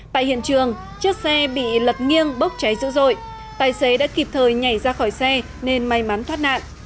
tại hiện trường chiếc xe bị lật nghiêng bốc cháy dữ dội tài xế đã kịp thời nhảy ra khỏi xe nên may mắn thoát nạn